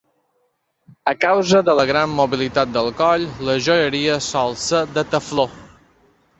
A causa de la gran mobilitat del coll, la joieria sol ser de tefló.